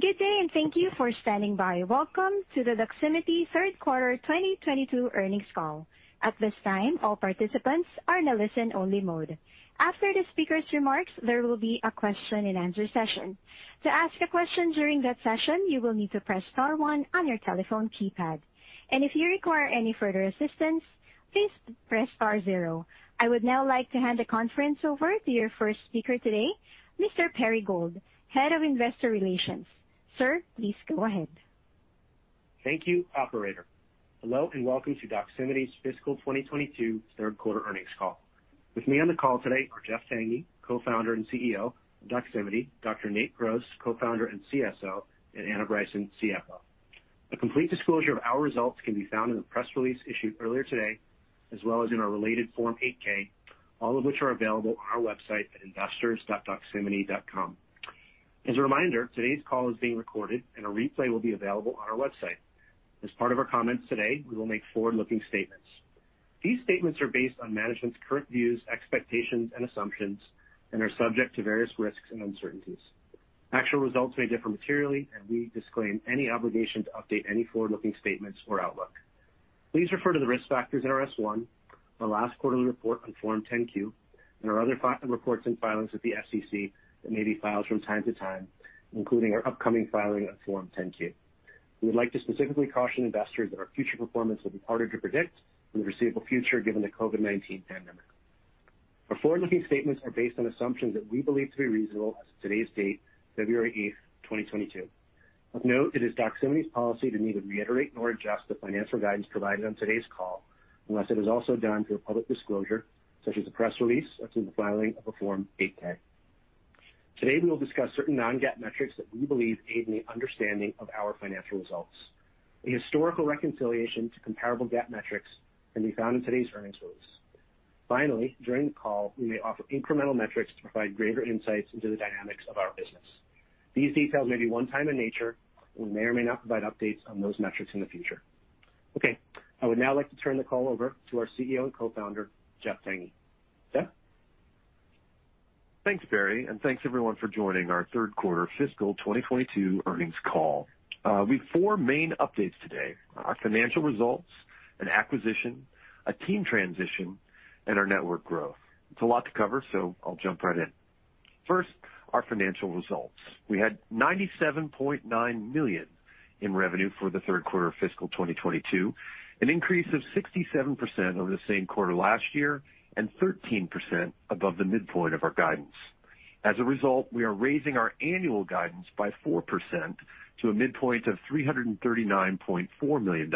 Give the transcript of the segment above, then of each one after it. Good day, and thank you for standing by. Welcome to the Doximity third quarter 2022 earnings call. At this time, all participants are in a listen only mode. After the speaker's remarks, there will be a question and answer session. To ask a question during that session, you will need to press star one on your telephone keypad. If you require any further assistance, please press star zero. I would now like to hand the conference over to your first speaker today, Mr. Perry Gold, Head of Investor Relations. Sir, please go ahead. Thank you, operator. Hello, and welcome to Doximity's fiscal 2022 third quarter earnings call. With me on the call today are Jeff Tangney, Co-founder and CEO of Doximity, Dr. Nate Gross, Co-founder and CSO, and Anna Bryson, CFO. A complete disclosure of our results can be found in the press release issued earlier today, as well as in our related Form 8-K, all of which are available on our website at investors.doximity.com. As a reminder, today's call is being recorded and a replay will be available on our website. As part of our comments today, we will make forward-looking statements. These statements are based on management's current views, expectations and assumptions and are subject to various risks and uncertainties. Actual results may differ materially, and we disclaim any obligation to update any forward-looking statements or outlook. Please refer to the risk factors in our S-1, our last quarterly report on Form 10-Q, and our other reports and filings with the SEC that may be filed from time to time, including our upcoming filing of Form 10-Q. We would like to specifically caution investors that our future performance will be harder to predict in the foreseeable future given the COVID-19 pandemic. Our forward-looking statements are based on assumptions that we believe to be reasonable as of today's date, February 8th, 2022. Of note, it is Doximity's policy to neither reiterate nor adjust the financial guidance provided on today's call unless it is also done through a public disclosure such as a press release or through the filing of a Form 8-K. Today, we will discuss certain non-GAAP metrics that we believe aid in the understanding of our financial results. A historical reconciliation to comparable GAAP metrics can be found in today's earnings release. Finally, during the call, we may offer incremental metrics to provide greater insights into the dynamics of our business. These details may be one-time in nature, and we may or may not provide updates on those metrics in the future. Okay, I would now like to turn the call over to our CEO and Co-founder, Jeff Tangney. Jeff. Thanks, Perry, and thanks everyone for joining our third quarter fiscal 2022 earnings call. We have four main updates today: our financial results, an acquisition, a team transition, and our network growth. It's a lot to cover, so I'll jump right in. First, our financial results. We had $97.9 million in revenue for the third quarter of fiscal 2022, an increase of 67% over the same quarter last year and 13% above the midpoint of our guidance. As a result, we are raising our annual guidance by 4% to a midpoint of $339.4 million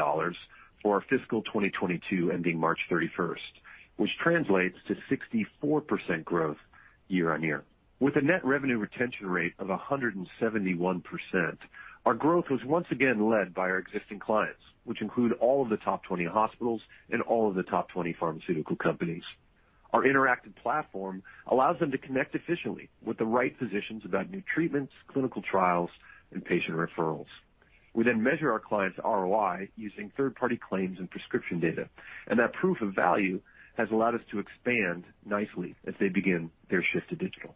for our fiscal 2022 ending March 31st, which translates to 64% growth year-over-year. With a net revenue retention rate of 171%, our growth was once again led by our existing clients, which include all of the top 20 hospitals and all of the top 20 pharmaceutical companies. Our interactive platform allows them to connect efficiently with the right physicians about new treatments, clinical trials and patient referrals. We then measure our clients' ROI using third-party claims and prescription data, and that proof of value has allowed us to expand nicely as they begin their shift to digital.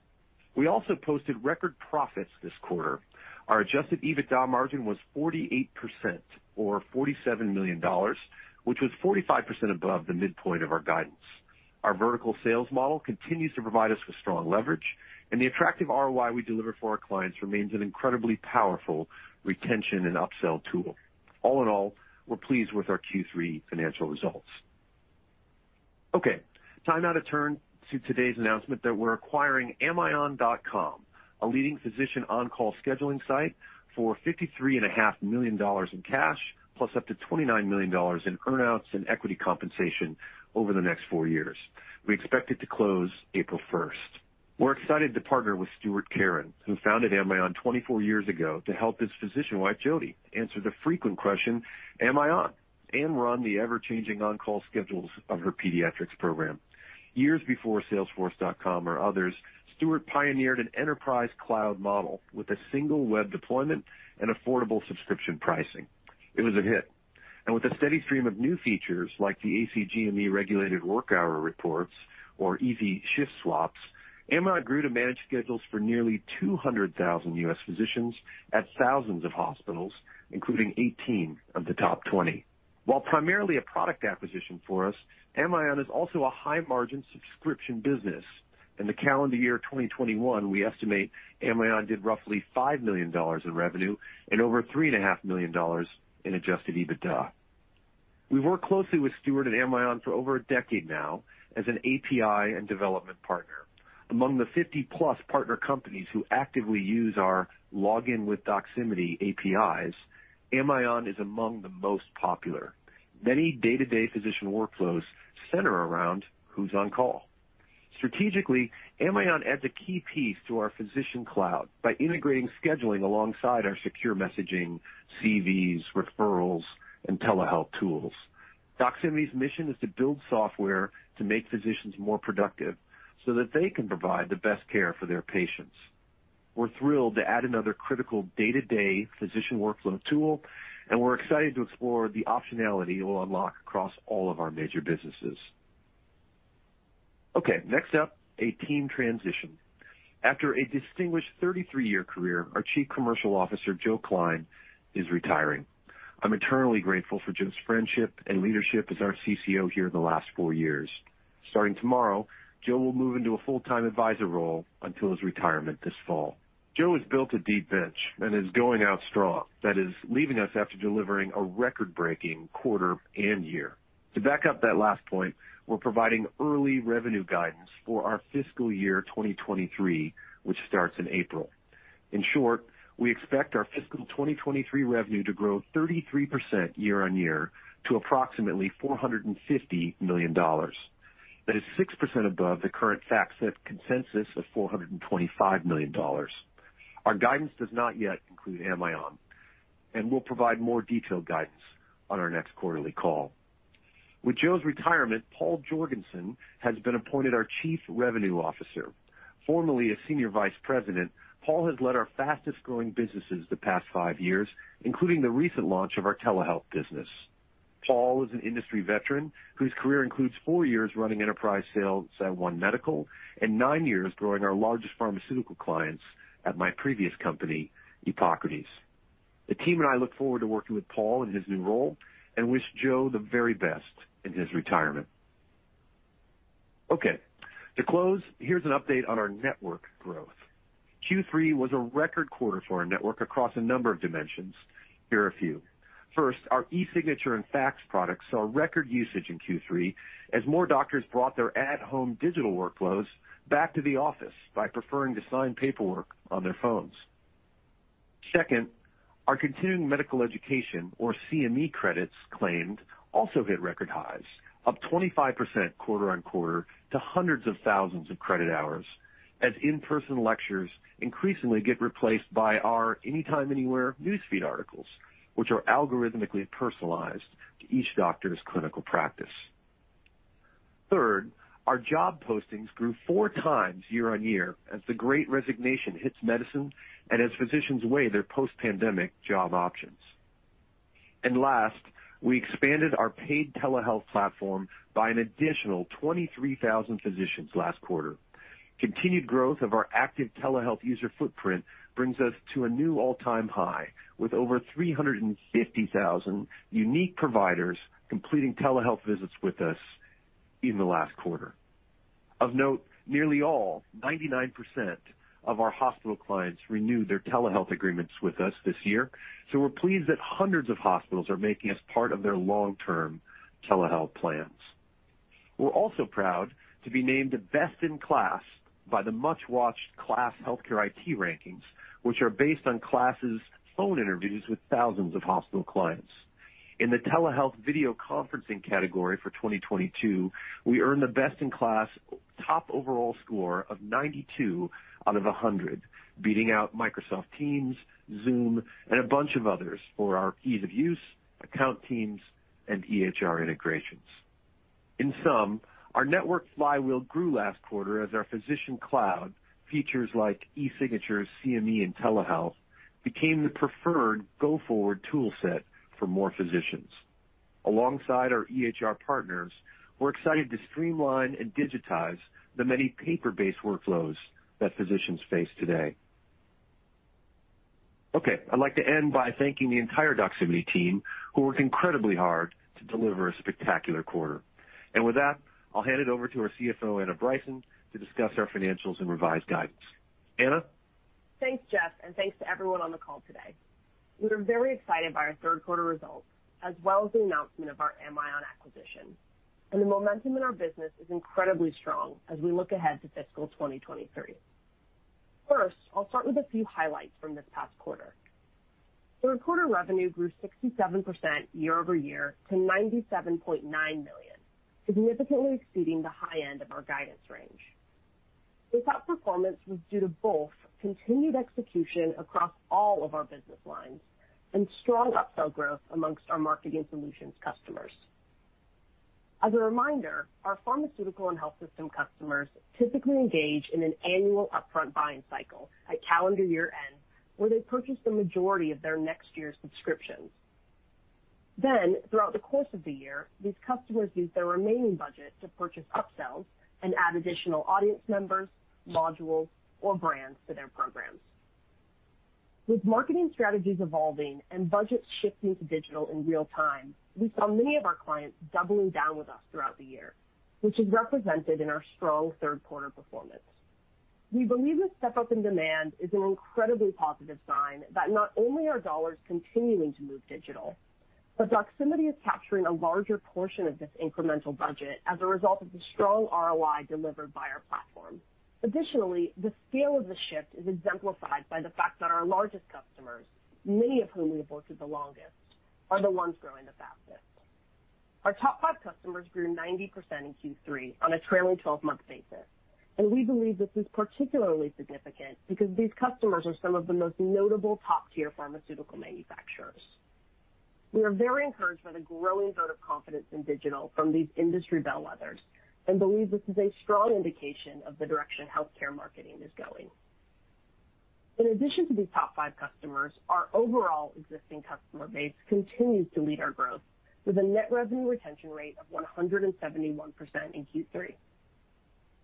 We also posted record profits this quarter. Our adjusted EBITDA margin was 48% or $47 million, which was 45% above the midpoint of our guidance. Our vertical sales model continues to provide us with strong leverage and the attractive ROI we deliver for our clients remains an incredibly powerful retention and upsell tool. All in all, we're pleased with our Q3 financial results. Okay, time now to turn to today's announcement that we're acquiring amion.com, a leading physician on-call scheduling site, for $53 and a half million in cash plus up to $29 million in earn outs and equity compensation over the next four years. We expect it to close April 1st. We're excited to partner with Stuart Karon, who founded Amion 24 years ago to help his physician wife, Jody, answer the frequent question, "Am I on?" and run the ever-changing on-call schedules of her pediatrics program. Years before salesforce.com or others, Stuart pioneered an enterprise cloud model with a single web deployment and affordable subscription pricing. It was a hit. With a steady stream of new features like the ACGME regulated work hour reports or easy shift swaps, Amion grew to manage schedules for nearly 200,000 U.S. physicians at thousands of hospitals, including 18 of the top 20. While primarily a product acquisition for us, Amion is also a high margin subscription business. In the calendar year 2021, we estimate Amion did roughly $5 million in revenue and over $3.5 million in adjusted EBITDA. We've worked closely with Stuart at Amion for over a decade now as an API and development partner. Among the 50-plus partner companies who actively use our Login with Doximity APIs, Amion is among the most popular. Many day-to-day physician workflows center around who's on call. Strategically, Amion adds a key piece to our physician cloud by integrating scheduling alongside our secure messaging, CVs, referrals, and telehealth tools. Doximity's mission is to build software to make physicians more productive so that they can provide the best care for their patients. We're thrilled to add another critical day-to-day physician workflow tool, and we're excited to explore the optionality it will unlock across all of our major businesses. Okay, next up, a team transition. After a distinguished 33-year career, our Chief Commercial Officer, Joe Klein, is retiring. I'm eternally grateful for Joe's friendship and leadership as our CCO here in the last four years. Starting tomorrow, Joe will move into a full-time advisor role until his retirement this fall. Joe has built a deep bench and is going out strong. That is leaving us after delivering a record-breaking quarter and year. To back up that last point, we're providing early revenue guidance for our fiscal year 2023, which starts in April. In short, we expect our fiscal 2023 revenue to grow 33% year-on-year to approximately $450 million. That is 6% above the current FactSet consensus of $425 million. Our guidance does not yet include Amion, and we'll provide more detailed guidance on our next quarterly call. With Joe's retirement, Paul Jorgensen has been appointed our Chief Revenue Officer. Formerly a Senior Vice President, Paul has led our fastest-growing businesses the past five years, including the recent launch of our telehealth business. Paul is an industry veteran whose career includes four years running enterprise sales at One Medical and nine years growing our largest pharmaceutical clients at my previous company, Epocrates. The team and I look forward to working with Paul in his new role and wish Joe the very best in his retirement. Okay. To close, here's an update on our network growth. Q3 was a record quarter for our network across a number of dimensions. Here are a few. First, our e-signature and fax products saw record usage in Q3 as more doctors brought their at-home digital workflows back to the office by preferring to sign paperwork on their phones. Second, our continuing medical education or CME credits claimed also hit record highs, up 25% quarter-on-quarter to hundreds of thousands of credit hours as in-person lectures increasingly get replaced by our anytime, anywhere newsfeed articles, which are algorithmically personalized to each doctor's clinical practice. Third, our job postings grew 4x year-on-year as the great resignation hits medicine and as physicians weigh their post-pandemic job options. Last, we expanded our paid telehealth platform by an additional 23,000 physicians last quarter. Continued growth of our active telehealth user footprint brings us to a new all-time high with over 350,000 unique providers completing telehealth visits with us in the last quarter. Of note, nearly all, 99% of our hospital clients renewed their telehealth agreements with us this year. We're pleased that hundreds of hospitals are making us part of their long-term telehealth plans. We're also proud to be named Best in KLAS by the much-watched KLAS Healthcare IT rankings, which are based on KLAS's phone interviews with thousands of hospital clients. In the telehealth video conferencing category for 2022, we earned the Best in KLAS top overall score of 92 out of 100, beating out Microsoft Teams, Zoom, and a bunch of others for our ease of use, account teams, and EHR integrations. In sum, our network flywheel grew last quarter as our physician cloud features like e-signatures, CME, and telehealth became the preferred go-forward toolset for more physicians. Alongside our EHR partners, we're excited to streamline and digitize the many paper-based workflows that physicians face today. Okay. I'd like to end by thanking the entire Doximity team, who worked incredibly hard to deliver a spectacular quarter. With that, I'll hand it over to our CFO, Anna Bryson, to discuss our financials and revised guidance. Anna? Thanks, Jeff, and thanks to everyone on the call today. We are very excited by our third quarter results, as well as the announcement of our Amion acquisition. The momentum in our business is incredibly strong as we look ahead to fiscal 2023. First, I'll start with a few highlights from this past quarter. Third quarter revenue grew 67% year-over-year to $97.9 million, significantly exceeding the high end of our guidance range. This outperformance was due to both continued execution across all of our business lines and strong upsell growth amongst our marketing solutions customers. As a reminder, our pharmaceutical and health system customers typically engage in an annual upfront buying cycle at calendar year-end, where they purchase the majority of their next year's subscriptions. Throughout the course of the year, these customers use their remaining budget to purchase upsells and add additional audience members, modules, or brands to their programs. With marketing strategies evolving and budgets shifting to digital in real time, we saw many of our clients doubling down with us throughout the year, which is represented in our strong third quarter performance. We believe this step-up in demand is an incredibly positive sign that not only are dollars continuing to move digital, but Doximity is capturing a larger portion of this incremental budget as a result of the strong ROI delivered by our platform. Additionally, the scale of the shift is exemplified by the fact that our largest customers, many of whom we have worked with the longest, are the ones growing the fastest. Our top five customers grew 90% in Q3 on a trailing 12-month basis. We believe this is particularly significant because these customers are some of the most notable top-tier pharmaceutical manufacturers. We are very encouraged by the growing vote of confidence in digital from these industry bellwethers and believe this is a strong indication of the direction healthcare marketing is going. In addition to these top five customers, our overall existing customer base continues to lead our growth with a net revenue retention rate of 171% in Q3.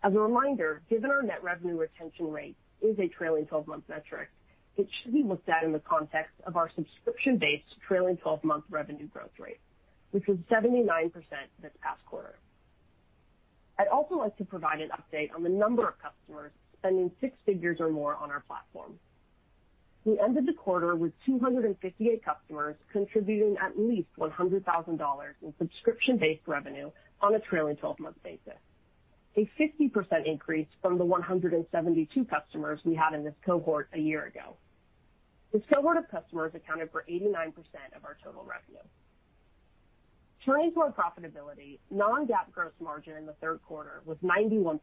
As a reminder, given our net revenue retention rate is a trailing 12-month metric, it should be looked at in the context of our subscription-based trailing 12-month revenue growth rate, which was 79% this past quarter. I'd also like to provide an update on the number of customers spending six figures or more on our platform. We ended the quarter with 258 customers contributing at least $100,000 in subscription-based revenue on a trailing 12-month basis, a 50% increase from the 172 customers we had in this cohort a year ago. This cohort of customers accounted for 89% of our total revenue. Turning to our profitability, non-GAAP gross margin in the third quarter was 91%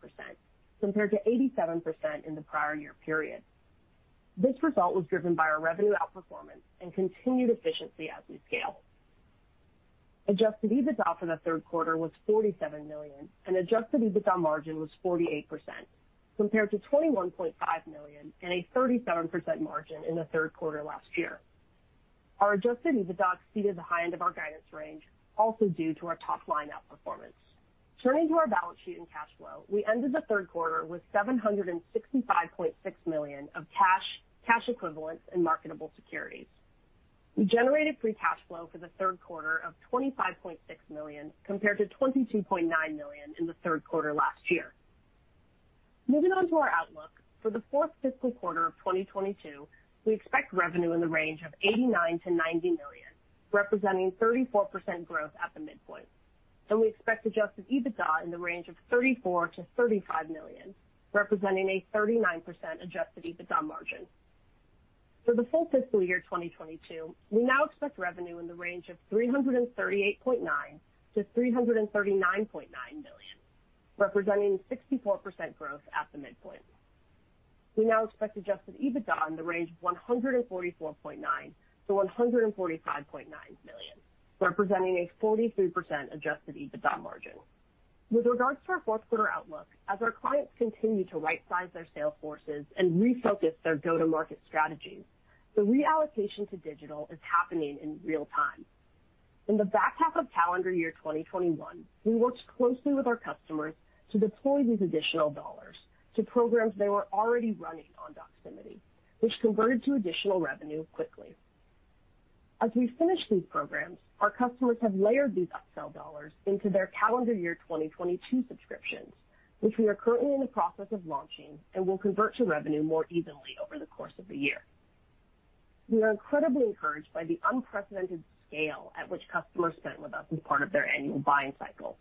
compared to 87% in the prior year period. This result was driven by our revenue outperformance and continued efficiency as we scale. Adjusted EBITDA for the third quarter was $47 million, and adjusted EBITDA margin was 48% compared to $21.5 million and a 37% margin in the third quarter last year. Our adjusted EBITDA exceeded the high end of our guidance range, also due to our top-line outperformance. Turning to our balance sheet and cash flow, we ended the third quarter with $765.6 million of cash equivalents, and marketable securities. We generated free cash flow for the third quarter of $25.6 million compared to $22.9 million in the third quarter last year. Moving on to our outlook, for the fourth fiscal quarter of 2022, we expect revenue in the range of $89 million-$90 million, representing 34% growth at the midpoint, and we expect adjusted EBITDA in the range of $34 million-$35 million, representing a 39% adjusted EBITDA margin. For the full fiscal year 2022, we now expect revenue in the range of $338.9 million-$339.9 million, representing 64% growth at the midpoint. We now expect adjusted EBITDA in the range of $144.9 million-$145.9 million, representing a 43% adjusted EBITDA margin. With regards to our fourth quarter outlook, as our clients continue to right-size their sales forces and refocus their go-to-market strategies, the reallocation to digital is happening in real time. In the back half of calendar year 2021, we worked closely with our customers to deploy these additional dollars to programs they were already running on Doximity, which converted to additional revenue quickly. As we finish these programs, our customers have layered these upsell dollars into their calendar year 2022 subscriptions, which we are currently in the process of launching and will convert to revenue more evenly over the course of the year. We are incredibly encouraged by the unprecedented scale at which customers spent with us as part of their annual buying cycle.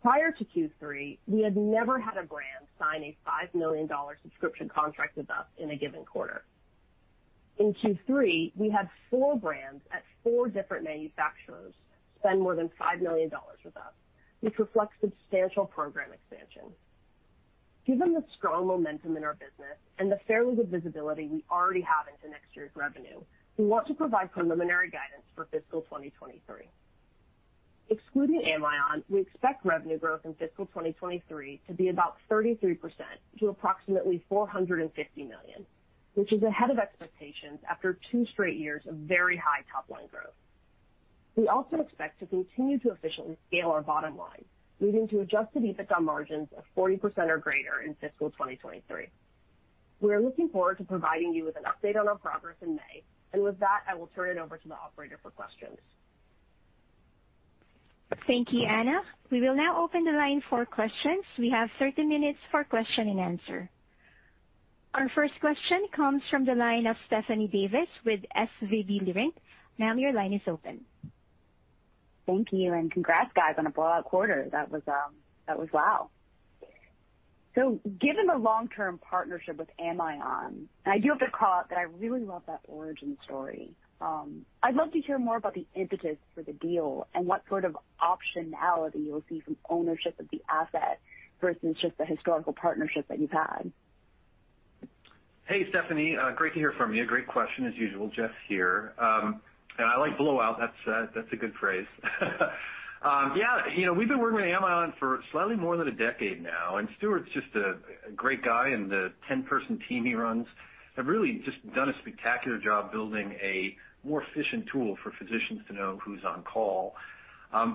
Prior to Q3, we had never had a brand sign a $5 million subscription contract with us in a given quarter. In Q3, we had four brands at four different manufacturers spend more than $5 million with us, which reflects substantial program expansion. Given the strong momentum in our business and the fairly good visibility we already have into next year's revenue, we want to provide preliminary guidance for fiscal 2023. Excluding Amion, we expect revenue growth in fiscal 2023 to be about 33% to approximately $450 million, which is ahead of expectations after two straight years of very high top-line growth. We also expect to continue to efficiently scale our bottom line, leading to adjusted EBITDA margins of 40% or greater in fiscal 2023. We are looking forward to providing you with an update on our progress in May. With that, I will turn it over to the operator for questions. Thank you, Anna. We will now open the line for questions. We have 30 minutes for question and answer. Our first question comes from the line of Stephanie Davis with SVB Leerink. Ma'am, your line is open. Thank you, and congrats guys on a blowout quarter. That was wow. Given the long-term partnership with Amion, and I do have to call out that I really love that origin story, I'd love to hear more about the impetus for the deal and what sort of optionality you'll see from ownership of the asset versus just the historical partnership that you've had. Hey, Stephanie, great to hear from you. Great question as usual. Jeff here. I like blowout. That's a good phrase. Yeah, you know, we've been working with Amion for slightly more than a decade now, and Stuart Karon's just a great guy, and the 10-person team he runs have really just done a spectacular job building a more efficient tool for physicians to know who's on call.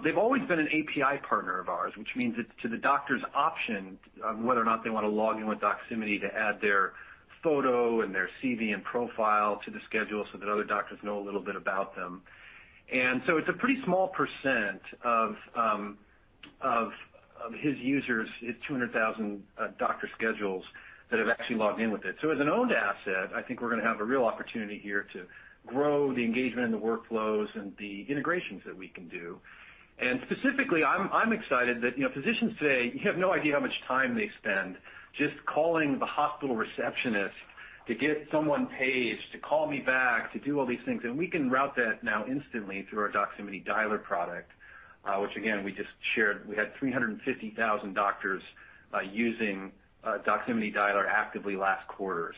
They've always been an API partner of ours, which means it's up to the doctor's option on whether or not they want to log in with Doximity to add their photo and their CV and profile to the schedule so that other doctors know a little bit about them. It's a pretty small percent of his users, his 200,000 doctor schedules that have actually logged in with it. As an owned asset, I think we're gonna have a real opportunity here to grow the engagement and the workflows and the integrations that we can do. Specifically, I'm excited that, you know, physicians say you have no idea how much time they spend just calling the hospital receptionist to get someone paged to call me back, to do all these things, and we can route that now instantly through our Doximity Dialer product, which again, we just shared, we had 350,000 doctors using Doximity Dialer actively last quarter.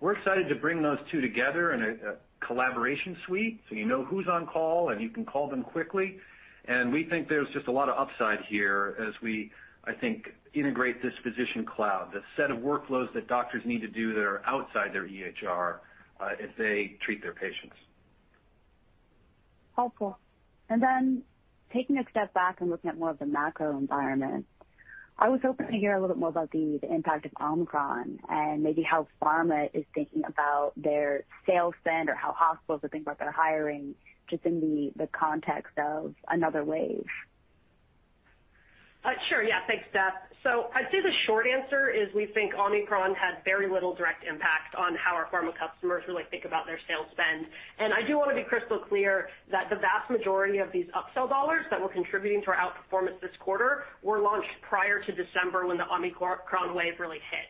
We're excited to bring those two together in a collaboration suite so you know who's on call, and you can call them quickly. We think there's just a lot of upside here as we, I think, integrate this Physician Cloud, the set of workflows that doctors need to do that are outside their EHR as they treat their patients. Helpful. Taking a step back and looking at more of the macro environment, I was hoping to hear a little bit more about the impact of Omicron and maybe how pharma is thinking about their sales spend or how hospitals are thinking about their hiring just in the context of another wave. Sure. Yeah. Thanks, Steph. I'd say the short answer is we think Omicron had very little direct impact on how our pharma customers really think about their sales spend. I do wanna be crystal clear that the vast majority of these upsell dollars that were contributing to our outperformance this quarter were launched prior to December when the Omicron wave really hit.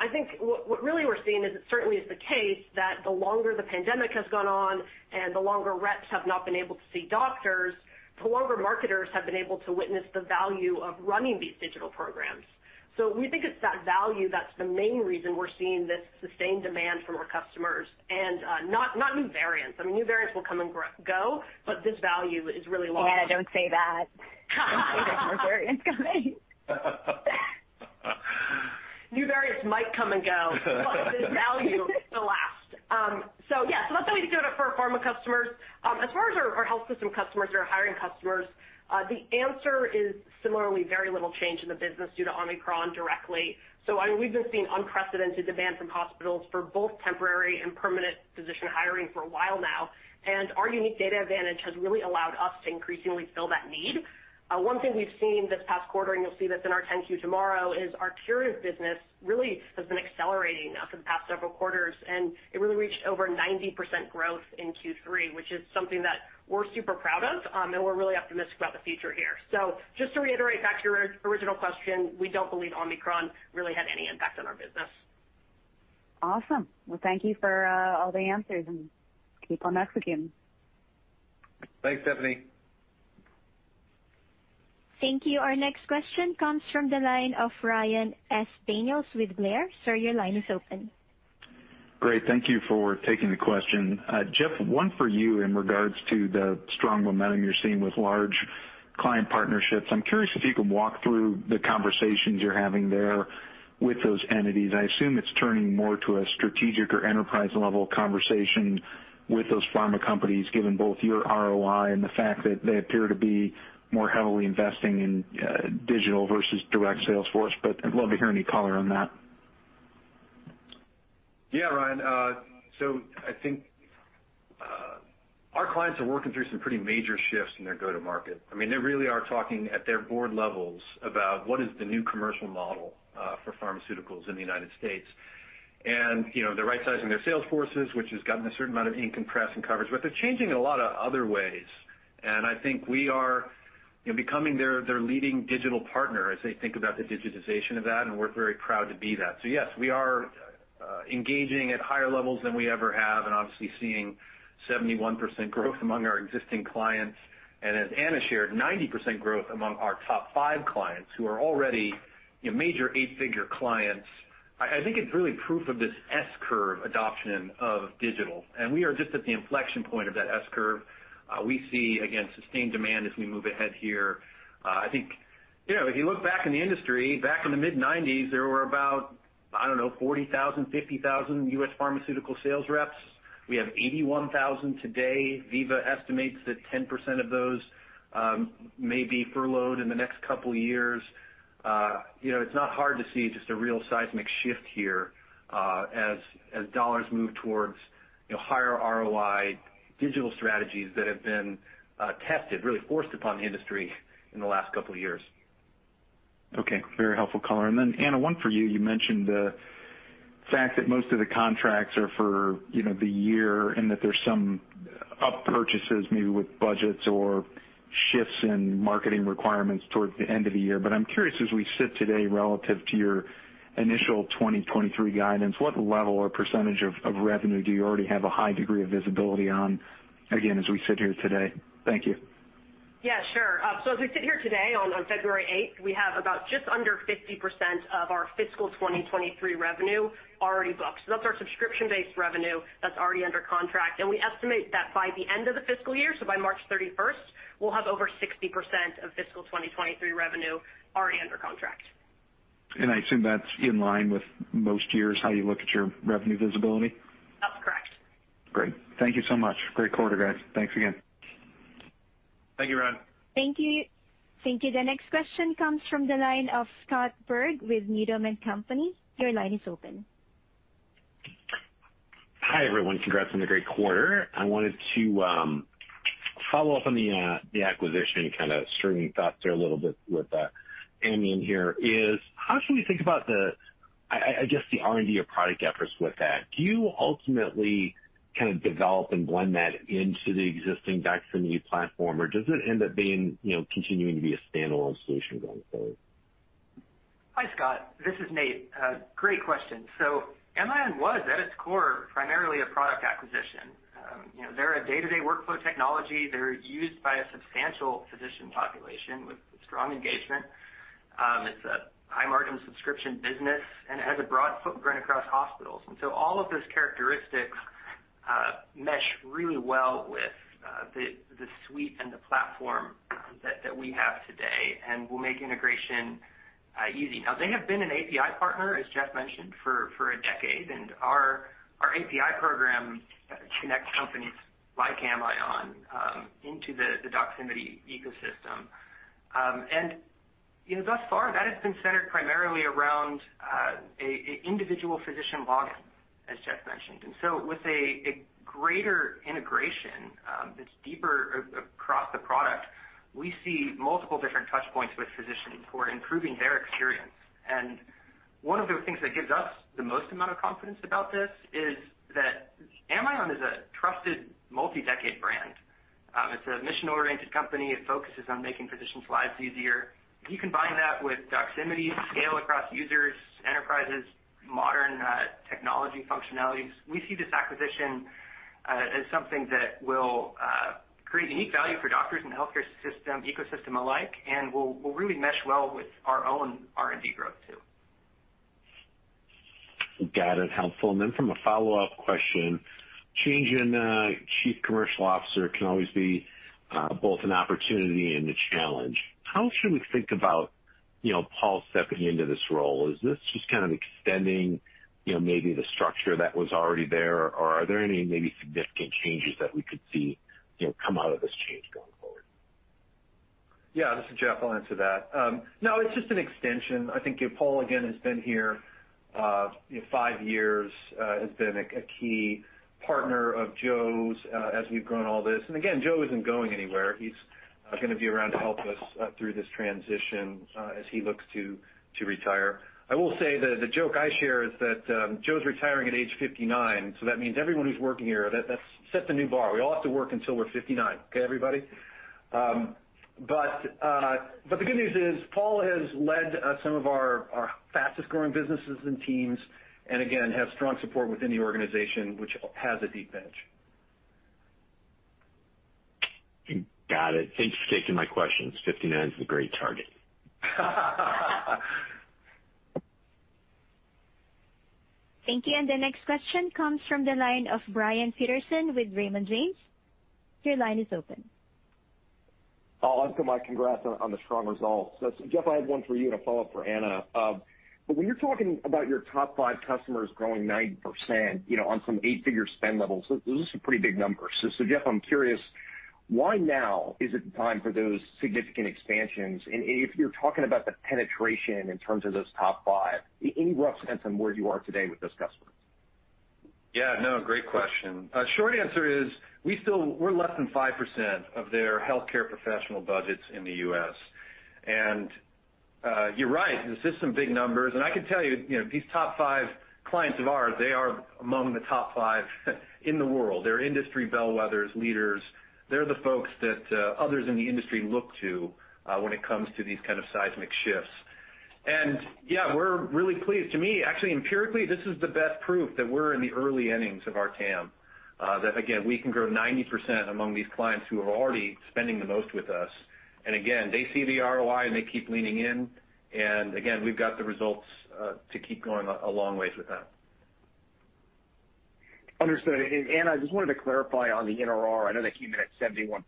I think what really we're seeing is it certainly is the case that the longer the pandemic has gone on and the longer reps have not been able to see doctors, the longer marketers have been able to witness the value of running these digital programs. We think it's that value that's the main reason we're seeing this sustained demand from our customers and not new variants. I mean, new variants will come and go, but this value is really long. Anna, don't say that. There's more variants coming. New variants might come and go, but this value lasts. Yeah, that's how we view it for our pharma customers. As far as our health system customers or our hiring customers, the answer is similarly very little change in the business due to Omicron directly. I mean, we've been seeing unprecedented demand from hospitals for both temporary and permanent physician hiring for a while now, and our unique data advantage has really allowed us to increasingly fill that need. One thing we've seen this past quarter, and you'll see this in our 10-Q tomorrow, is our hiring business really has been accelerating now for the past several quarters, and it really reached over 90% growth in Q3, which is something that we're super proud of, and we're really optimistic about the future here. Just to reiterate back to your original question, we don't believe Omicron really had any impact on our business. Awesome. Well, thank you for all the answers, and keep on executing. Thanks, Stephanie. Thank you. Our next question comes from the line of Ryan S. Daniels with Blair. Sir, your line is open. Great. Thank you for taking the question. Jeff, one for you in regards to the strong momentum you're seeing with large client partnerships. I'm curious if you could walk through the conversations you're having there with those entities. I assume it's turning more to a strategic or enterprise level conversation with those pharma companies, given both your ROI and the fact that they appear to be more heavily investing in digital versus direct sales force. I'd love to hear any color on that. Yeah, Ryan. So I think our clients are working through some pretty major shifts in their go-to-market. I mean, they really are talking at their board levels about what is the new commercial model for pharmaceuticals in the United States. You know, they're right-sizing their sales forces, which has gotten a certain amount of ink and press and coverage, but they're changing a lot of other ways. I think we are, you know, becoming their leading digital partner as they think about the digitization of that, and we're very proud to be that. So yes, we are engaging at higher levels than we ever have and obviously seeing 71% growth among our existing clients. As Anna shared, 90% growth among our top five clients who are already, you know, major eight-figure clients. I think it's really proof of this S-curve adoption of digital, and we are just at the inflection point of that S-curve. We see, again, sustained demand as we move ahead here. I think, you know, if you look back in the industry, back in the mid-1990s, there were about, I don't know, 40,000, 50,000 U.S. pharmaceutical sales reps. We have 81,000 today. Veeva estimates that 10% of those may be furloughed in the next couple years. You know, it's not hard to see just a real seismic shift here, as dollars move towards, you know, higher ROI digital strategies that have been tested, really forced upon the industry in the last couple of years. Okay. Very helpful color. Anna, one for you. You mentioned the fact that most of the contracts are for, you know, the year and that there's some up purchases maybe with budgets or shifts in marketing requirements towards the end of the year. I'm curious, as we sit today relative to your initial 2023 guidance, what level or percentage of revenue do you already have a high degree of visibility on, again, as we sit here today? Thank you. Yeah, sure. So as we sit here today on February 8th, we have about just under 50% of our fiscal 2023 revenue already booked. That's our subscription-based revenue that's already under contract. We estimate that by the end of the fiscal year, so by March 31st, we'll have over 60% of fiscal 2023 revenue already under contract. I assume that's in line with most years, how you look at your revenue visibility? That's correct. Great. Thank you so much. Great quarter, guys. Thanks again. Thank you, Ryan. Thank you. Thank you. The next question comes from the line of Scott Berg with Needham & Company. Your line is open. Hi, everyone. Congrats on the great quarter. I wanted to follow up on the acquisition and kind of stringing thoughts there a little bit with Amy in here. How should we think about the R&D or product efforts with that? I guess, do you ultimately kind of develop and blend that into the existing Doximity platform, or does it end up being continuing to be a standalone solution going forward? Hi, Scott. This is Nate. Great question. Amion was at its core primarily a product acquisition. You know, they're a day-to-day workflow technology. They're used by a substantial physician population with strong engagement. It's a high-margin subscription business and has a broad footprint across hospitals. All of those characteristics mesh really well with the suite and the platform that we have today and will make integration easy. Now they have been an API partner, as Jeff mentioned, for a decade. Our API program connects companies like Amion into the Doximity ecosystem. You know, thus far, that has been centered primarily around an individual physician login, as Jeff mentioned. With a greater integration, that's deeper across the product, we see multiple different touch points with physicians for improving their experience. One of the things that gives us the most amount of confidence about this is that Amion is a trusted multi-decade brand. It's a mission-oriented company. It focuses on making physicians' lives easier. If you combine that with Doximity's scale across users, enterprises, modern technology functionalities, we see this acquisition as something that will create unique value for doctors and healthcare system ecosystem alike, and will really mesh well with our own R&D growth too. Got it. Helpful. From a follow-up question, change in Chief Commercial Officer can always be both an opportunity and a challenge. How should we think about, you know, Paul stepping into this role? Is this just kind of extending, you know, maybe the structure that was already there? Or are there any maybe significant changes that we could see, you know, come out of this change going forward? Yeah, this is Jeff. I'll answer that. No, it's just an extension. I think Paul, again, has been here, you know, five years, has been a key partner of Joe's, as we've grown all this. Joe isn't going anywhere. He's gonna be around to help us through this transition as he looks to retire. I will say the joke I share is that Joe's retiring at age 59, so that means everyone who's working here, that sets a new bar. We all have to work until we're 59. Okay, everybody? The good news is Paul has led some of our fastest-growing businesses and teams, and again, has strong support within the organization, which has a deep bench. Got it. Thanks for taking my questions. 59 is a great target. Thank you. The next question comes from the line of Brian Peterson with Raymond James. Your line is open. Oh, also my congrats on the strong results. Jeff, I have one for you and a follow-up for Anna. When you're talking about your top five customers growing 90%, you know, on some eight-figure spend levels, those are some pretty big numbers. Jeff, I'm curious, why now is it time for those significant expansions? If you're talking about the penetration in terms of those top five, any rough sense on where you are today with those customers? Yeah, no, great question. Short answer is we're less than 5% of their healthcare professional budgets in the U.S. You're right, this is some big numbers. I can tell you know, these top five clients of ours, they are among the top five in the world. They're industry bellwethers, leaders. They're the folks that others in the industry look to when it comes to these kind of seismic shifts. Yeah, we're really pleased. To me, actually, empirically, this is the best proof that we're in the early innings of our TAM that again, we can grow 90% among these clients who are already spending the most with us. Again, they see the ROI, and they keep leaning in. Again, we've got the results to keep going a long ways with them. Understood. Anna, I just wanted to clarify on the NRR. I know that came in at 71%.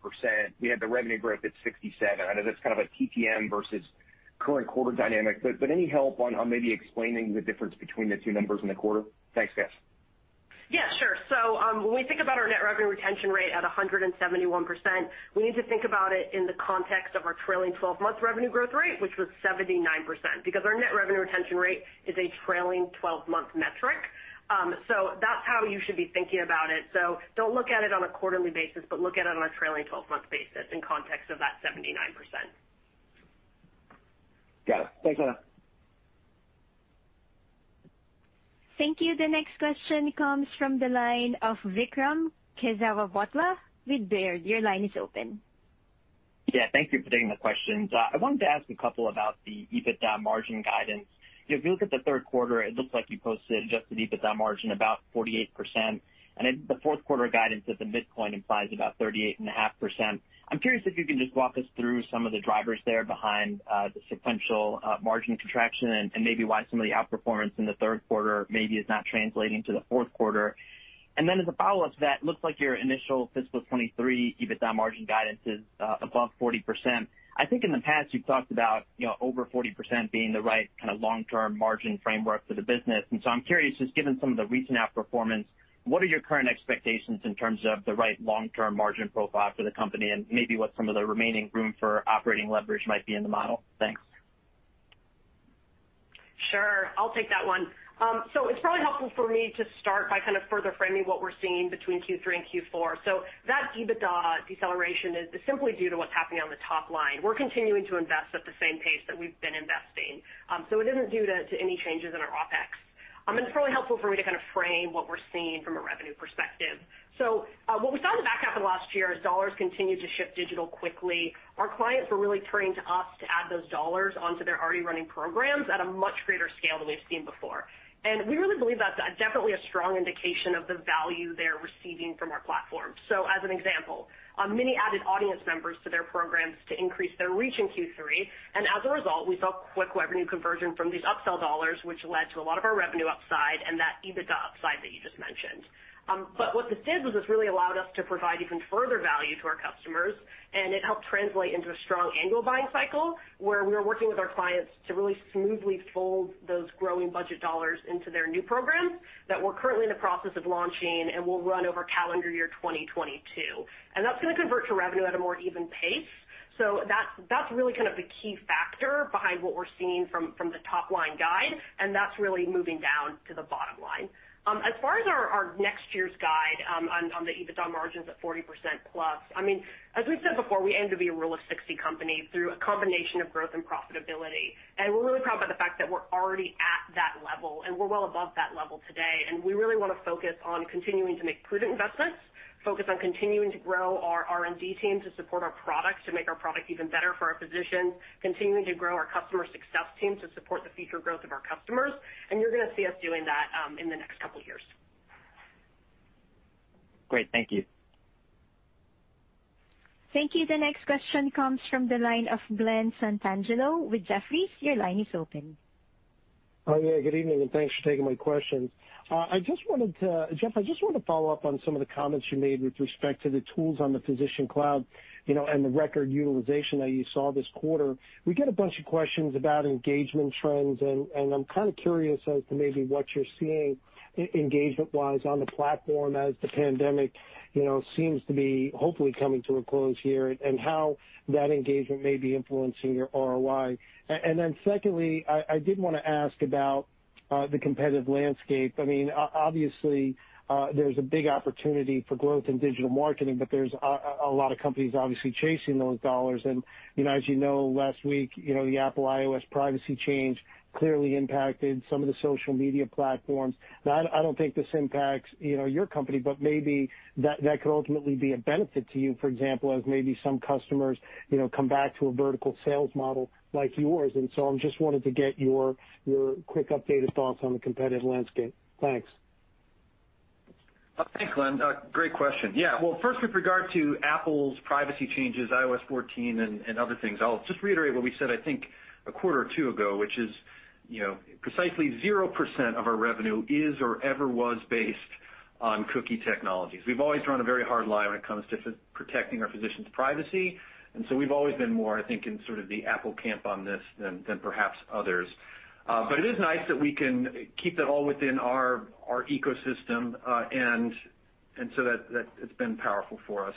We had the revenue growth at 67%. I know that's kind of a TTM versus current quarter dynamic, but any help on maybe explaining the difference between the two numbers in the quarter? Thanks, guys. Yeah, sure. When we think about our net revenue retention rate at 171%, we need to think about it in the context of our trailing 12-month revenue growth rate, which was 79%, because our net revenue retention rate is a trailing 12-month metric. That's how you should be thinking about it. Don't look at it on a quarterly basis, but look at it on a trailing 12-month basis in context of that 79%. Got it. Thanks, Anna. Thank you. The next question comes from the line of Vikram Kesavabhotla with Baird. Your line is open. Yeah. Thank you for taking the questions. I wanted to ask a couple about the EBITDA margin guidance. You know, if you look at the third quarter, it looks like you posted adjusted EBITDA margin about 48%. Then the fourth quarter guidance at the midpoint implies about 38.5%. I'm curious if you can just walk us through some of the drivers there behind the sequential margin contraction and maybe why some of the outperformance in the third quarter maybe is not translating to the fourth quarter. Then as a follow-up to that, it looks like your initial fiscal 2023 EBITDA margin guidance is above 40%. I think in the past you've talked about, you know, over 40% being the right kinda long-term margin framework for the business. I'm curious, just given some of the recent outperformance, what are your current expectations in terms of the right long-term margin profile for the company and maybe what some of the remaining room for operating leverage might be in the model? Thanks. Sure. I'll take that one. It's probably helpful for me to start by kind of further framing what we're seeing between Q3 and Q4. That EBITDA deceleration is simply due to what's happening on the top line. We're continuing to invest at the same pace that we've been investing. It isn't due to any changes in our OpEx. It's probably helpful for me to kind of frame what we're seeing from a revenue perspective. What we saw in the back half of last year is dollars continued to shift digital quickly. Our clients were really turning to us to add those dollars onto their already running programs at a much greater scale than we've seen before. We really believe that's definitely a strong indication of the value they're receiving from our platform. As an example, many added audience members to their programs to increase their reach in Q3. As a result, we saw quick revenue conversion from these upsell dollars, which led to a lot of our revenue upside and that EBITDA upside that you just mentioned. What this did was this really allowed us to provide even further value to our customers, and it helped translate into a strong annual buying cycle where we are working with our clients to really smoothly fold those growing budget dollars into their new programs that we're currently in the process of launching and will run over calendar year 2022. That's gonna convert to revenue at a more even pace. That's really kind of the key factor behind what we're seeing from the top line guide, and that's really moving down to the bottom line. As far as our next year's guide, on the EBITDA margins at 40% plus, I mean, as we've said before, we aim to be a Rule of 60 company through a combination of growth and profitability. We're really proud about the fact that we're already at that level, and we're well above that level today. We really wanna focus on continuing to make prudent investments, focus on continuing to grow our R&D team to support our products, to make our product even better for our physicians, continuing to grow our customer success team to support the future growth of our customers. You're gonna see us doing that in the next couple years. Great. Thank you. Thank you. The next question comes from the line of Glen Santangelo with Jefferies. Your line is open. Oh, yeah, good evening, and thanks for taking my questions. Jeff, I just wanted to follow up on some of the comments you made with respect to the tools on the Physician Cloud, you know, and the record utilization that you saw this quarter. We get a bunch of questions about engagement trends, and I'm kind of curious as to maybe what you're seeing engagement wise on the platform as the pandemic, you know, seems to be hopefully coming to a close here and how that engagement may be influencing your ROI. Secondly, I did wanna ask about the competitive landscape. I mean, obviously, there's a big opportunity for growth in digital marketing, but there's a lot of companies obviously chasing those dollars. You know, as you know, last week, you know, the Apple iOS privacy change clearly impacted some of the social media platforms. Now I don't think this impacts, you know, your company, but maybe that could ultimately be a benefit to you for example, as maybe some customers, you know, come back to a vertical sales model like yours. I'm just wanted to get your quick updated thoughts on the competitive landscape. Thanks. Thanks, Glen. Great question. Yeah. Well, first with regard to Apple's privacy changes, iOS 14 and other things, I'll just reiterate what we said I think a quarter or two ago, which is, you know, precisely 0% of our revenue is or ever was based on cookie technologies. We've always drawn a very hard line when it comes to protecting our physicians' privacy. We've always been more, I think, in sort of the Apple camp on this than perhaps others. It is nice that we can keep that all within our ecosystem. That it's been powerful for us.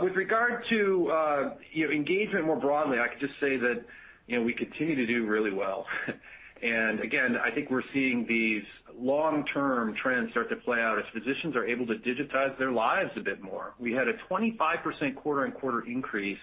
With regard to, you know, engagement more broadly, I can just say that, you know, we continue to do really well. I think we're seeing these long-term trends start to play out as physicians are able to digitize their lives a bit more. We had a 25% quarter-over-quarter increase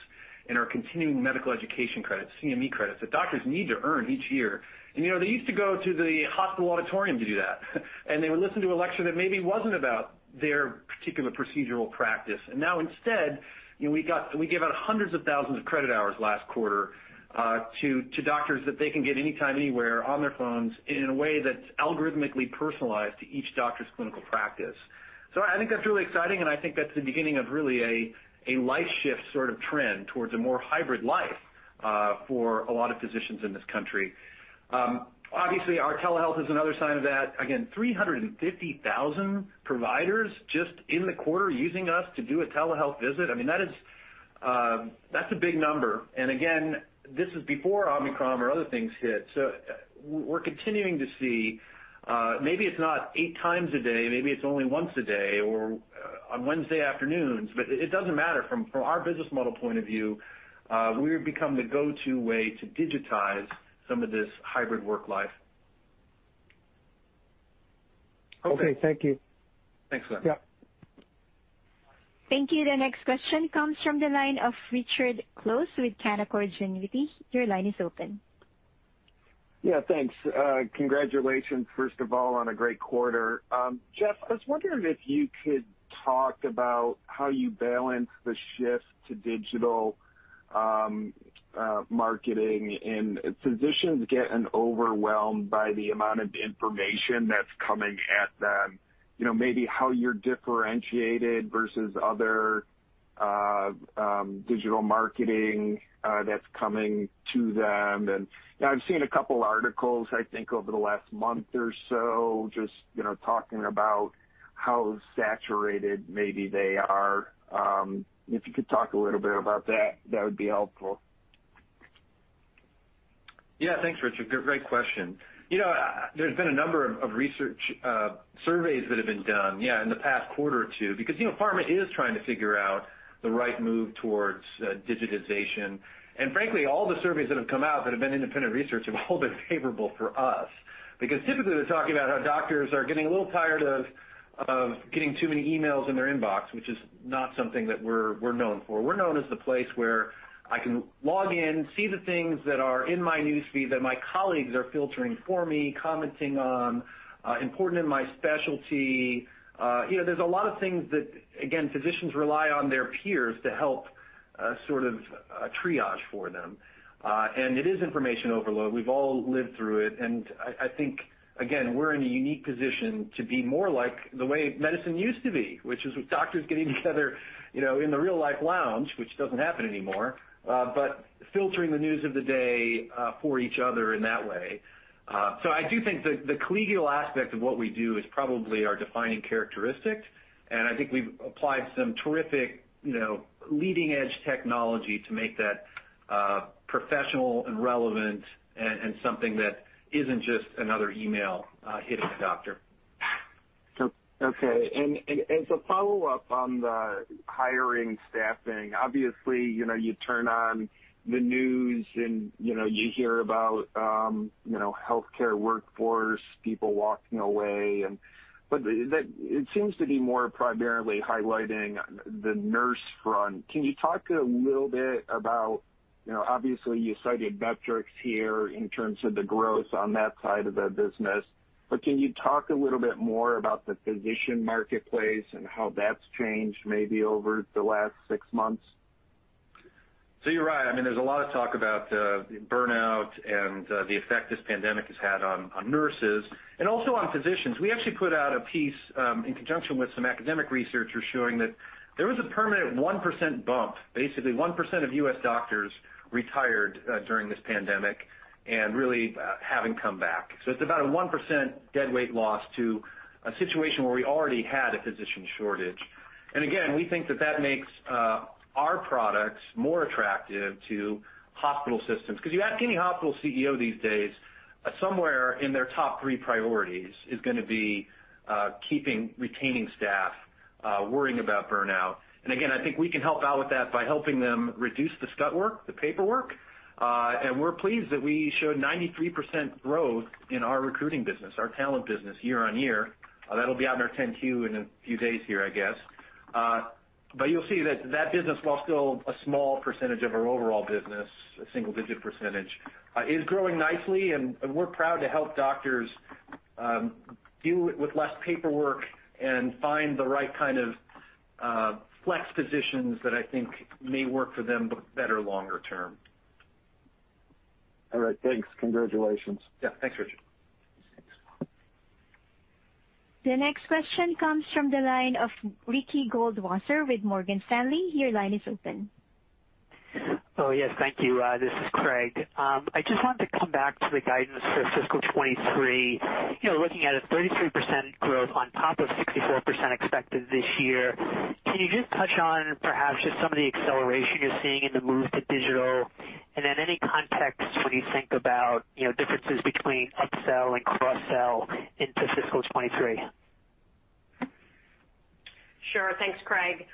in our continuing medical education credits, CME credits that doctors need to earn each year. You know, they used to go to the hospital auditorium to do that, and they would listen to a lecture that maybe wasn't about their particular procedural practice. Now instead, you know, we gave out hundreds of thousands of credit hours last quarter to doctors that they can get anytime, anywhere on their phones in a way that's algorithmically personalized to each doctor's clinical practice. I think that's really exciting, and I think that's the beginning of really a life shift sort of trend towards a more hybrid life for a lot of physicians in this country. Obviously, our telehealth is another sign of that. Again, 350,000 providers just in the quarter using us to do a telehealth visit. I mean, that is, that's a big number. And again, this is before Omicron or other things hit. We're continuing to see, maybe it's not eight times a day, maybe it's only once a day or on Wednesday afternoons, but it doesn't matter. From our business model point of view, we've become the go-to way to digitize some of this hybrid work life. Okay. Thank you. Thanks, Glen. Yeah. Thank you. The next question comes from the line of Richard Close with Canaccord Genuity. Your line is open. Yeah, thanks. Congratulations, first of all, on a great quarter. Jeff, I was wondering if you could talk about how you balance the shift to digital marketing and physicians getting overwhelmed by the amount of information that's coming at them. You know, maybe how you're differentiated versus other digital marketing that's coming to them. You know, I've seen a couple articles, I think, over the last month or so, just, you know, talking about how saturated maybe they are. If you could talk a little bit about that would be helpful. Yeah. Thanks, Richard. Great question. You know, there's been a number of research surveys that have been done, yeah, in the past quarter or two, because, you know, pharma is trying to figure out the right move towards digitization. Frankly, all the surveys that have come out that have been independent research have all been favorable for us. Because typically, they're talking about how doctors are getting a little tired of getting too many emails in their inbox, which is not something that we're known for. We're known as the place where I can log in, see the things that are in my news feed that my colleagues are filtering for me, commenting on, important in my specialty. You know, there's a lot of things that, again, physicians rely on their peers to help a sort of a triage for them. It is information overload. We've all lived through it. I think, again, we're in a unique position to be more like the way medicine used to be, which is with doctors getting together, you know, in the real-life lounge, which doesn't happen anymore, but filtering the news of the day, for each other in that way. I do think the collegial aspect of what we do is probably our defining characteristic, and I think we've applied some terrific, you know, leading edge technology to make that professional and relevant and something that isn't just another email hitting the doctor. Okay. As a follow-up on the hiring staffing, obviously, you know, you turn on the news and, you know, you hear about, you know, healthcare workforce, people walking away. It seems to be more primarily highlighting the nurse front. Can you talk a little bit about, you know, obviously, you cited metrics here in terms of the growth on that side of the business. Can you talk a little bit more about the physician marketplace and how that's changed maybe over the last six months? You're right. I mean, there's a lot of talk about the burnout and the effect this pandemic has had on nurses and also on physicians. We actually put out a piece in conjunction with some academic researchers showing that there was a permanent 1% bump. Basically, 1% of U.S. doctors retired during this pandemic and really haven't come back. It's about a 1% dead weight loss to a situation where we already had a physician shortage. We think that makes our products more attractive to hospital systems. 'Cause you ask any hospital CEO these days, somewhere in their top three priorities is gonna be keeping, retaining staff, worrying about burnout. I think we can help out with that by helping them reduce the scut work, the paperwork. We're pleased that we showed 93% growth in our recruiting business, our talent business year-over-year. That'll be out in our 10-Q in a few days here, I guess. You'll see that that business, while still a small percentage of our overall business, a single-digit percentage, is growing nicely, and we're proud to help doctors deal with less paperwork and find the right kind of flex positions that I think may work for them better longer term. All right, thanks. Congratulations. Yeah. Thanks, Richard. The next question comes from the line of Ricky Goldwasser with Morgan Stanley. Your line is open. Oh, yes. Thank you. This is Craig. I just wanted to come back to the guidance for fiscal 2023. You know, looking at a 33% growth on top of 64% expected this year, can you just touch on perhaps just some of the acceleration you're seeing in the move to digital and then any context when you think about, you know, differences between upsell and cross-sell into fiscal 2023? Sure. Thanks, Craig.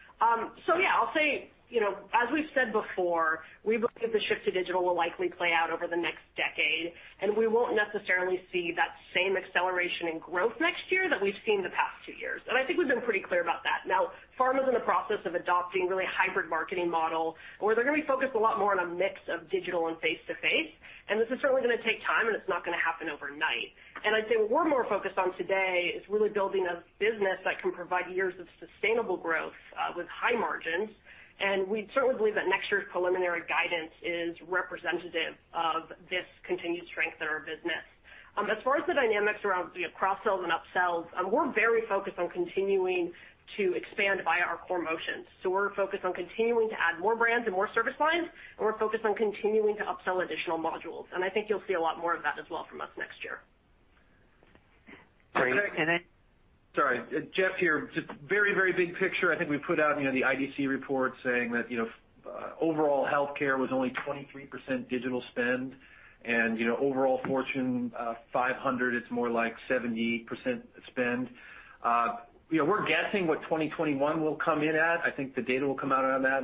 So yeah, I'll say, you know, as we've said before, we believe the shift to digital will likely play out over the next decade, and we won't necessarily see that same acceleration in growth next year that we've seen the past two years. I think we've been pretty clear about that. Now, pharma is in the process of adopting really a hybrid marketing model, where they're gonna be focused a lot more on a mix of digital and face to face. This is certainly gonna take time, and it's not gonna happen overnight. I'd say what we're more focused on today is really building a business that can provide years of sustainable growth, with high margins. We certainly believe that next year's preliminary guidance is representative of this continued strength in our business. As far as the dynamics around, you know, cross-sells and upsells, we're very focused on continuing to expand via our core motions. We're focused on continuing to add more brands and more service lines, and we're focused on continuing to upsell additional modules. I think you'll see a lot more of that as well from us next year. Great. Sorry. Jeff here. Just very, very big picture. I think we put out, you know, the IDC report saying that, you know, overall healthcare was only 23% digital spend and, you know, overall Fortune 500, it's more like 70% spend. You know, we're guessing what 2021 will come in at. I think the data will come out on that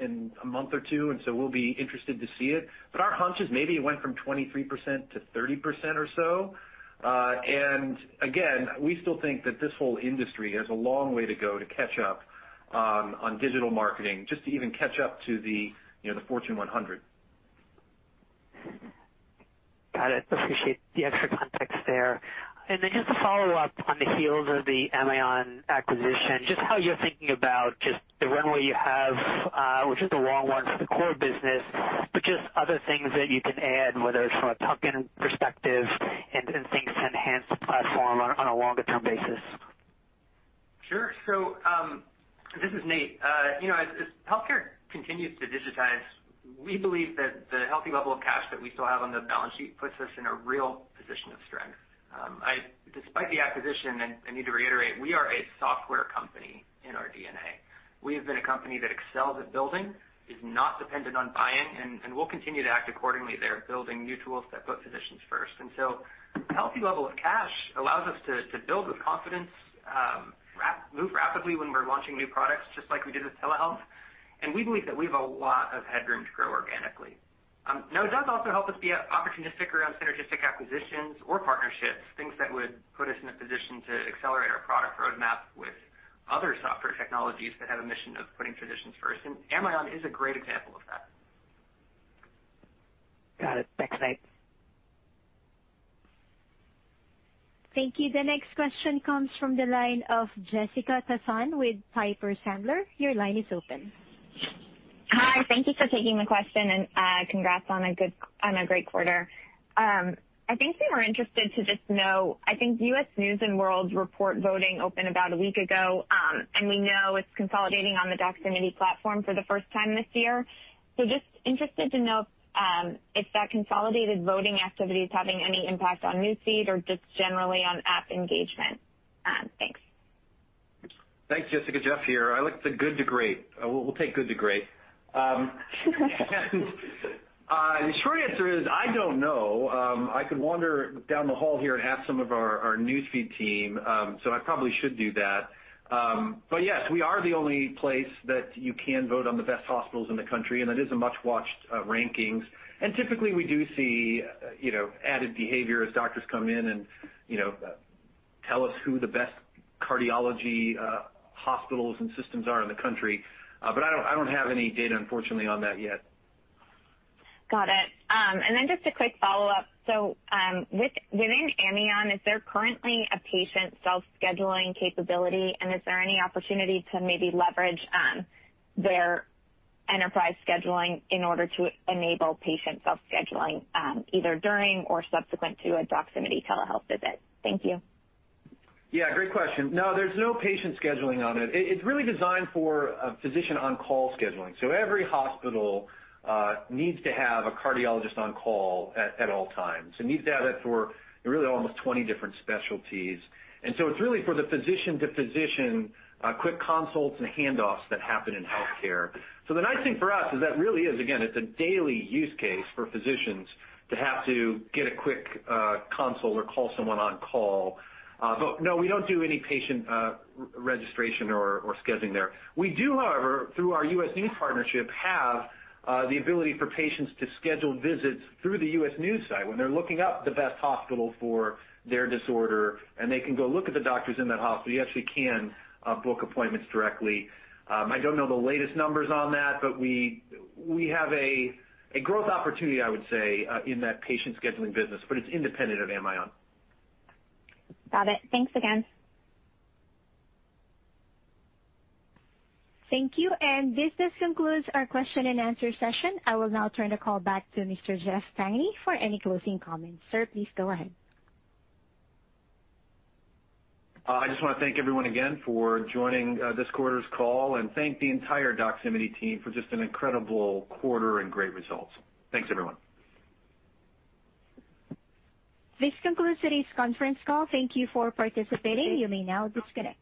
in a month or two, and so we'll be interested to see it. Our hunch is maybe it went from 23% to 30% or so. And again, we still think that this whole industry has a long way to go to catch up on digital marketing just to even catch up to the, you know, the Fortune 100. Got it. Appreciate the extra context there. Just to follow up on the heels of the Amion acquisition, just how you're thinking about just the runway you have, which is a long one for the core business, but just other things that you can add, whether it's from a tuck-in perspective and things to enhance the platform on a longer term basis. Sure. This is Nate. You know, as healthcare continues to digitize, we believe that the healthy level of cash that we still have on the balance sheet puts us in a real position of strength. Despite the acquisition, and I need to reiterate, we are a software company in our DNA. We have been a company that excels at building, is not dependent on buying, and we'll continue to act accordingly there, building new tools that put physicians first. A healthy level of cash allows us to build with confidence, move rapidly when we're launching new products, just like we did with telehealth. We believe that we have a lot of headroom to grow organically. Now it does also help us be opportunistic around synergistic acquisitions or partnerships, things that would put us in a position to accelerate our product roadmap with other software technologies that have a mission of putting physicians first, and Amion is a great example of that. Got it. Thanks, Nate. Thank you. The next question comes from the line of Jessica Tassan with Piper Sandler. Your line is open. Hi. Thank you for taking the question and, congrats on a great quarter. I think we were interested to just know, I think U.S. News & World Report voting opened about a week ago, and we know it's consolidating on the Doximity platform for the first time this year. Just interested to know, if that consolidated voting activity is having any impact on News Feed or just generally on app engagement. Thanks. Thanks, Jessica. Jeff here. I like the good to great. We'll take good to great. The short answer is I don't know. I could wander down the hall here and ask some of our newsfeed team, so I probably should do that. But yes, we are the only place that you can vote on the best hospitals in the country, and it is a much-watched rankings. Typically, we do see, you know, added behavior as doctors come in and, you know, tell us who the best cardiology hospitals and systems are in the country. But I don't have any data, unfortunately, on that yet. Got it. Then just a quick follow-up. Within Amion, is there currently a patient self-scheduling capability and is there any opportunity to maybe leverage their enterprise scheduling in order to enable patient self-scheduling, either during or subsequent to a Doximity telehealth visit? Thank you. Yeah, great question. No, there's no patient scheduling on it. It's really designed for a physician on-call scheduling. Every hospital needs to have a cardiologist on call at all times and needs to have that for really almost 20 different specialties. It's really for the physician-to-physician quick consults and handoffs that happen in healthcare. The nice thing for us is that really is, again, it's a daily use case for physicians to have to get a quick consult or call someone on call. But no, we don't do any patient registration or scheduling there. We do, however, through our U.S. News partnership, have the ability for patients to schedule visits through the U.S. News site. When they're looking up the best hospital for their disorder, and they can go look at the doctors in that hospital, you actually can book appointments directly. I don't know the latest numbers on that, but we have a growth opportunity, I would say, in that patient scheduling business, but it's independent of Amion. Got it. Thanks again. Thank you. This does conclude our question and answer session. I will now turn the call back to Mr. Jeff Tangney for any closing comments. Sir, please go ahead. I just wanna thank everyone again for joining this quarter's call and thank the entire Doximity team for just an incredible quarter and great results. Thanks, everyone. This concludes today's conference call. Thank you for participating. You may now disconnect.